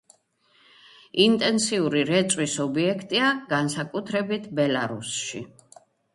ინტენსიური რეწვის ობიექტია, განსაკუთრებით ბელარუსში.